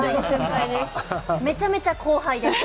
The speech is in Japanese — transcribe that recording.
めちゃめちゃ後輩です。